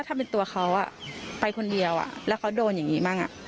ถ้าเป็นตัวเขาไปคนเดียวแล้วเขาโดนอย่างนี้บ้าง